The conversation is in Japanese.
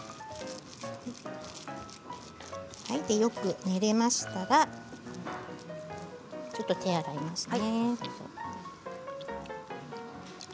よく練れましたらちょっと手を洗いますね。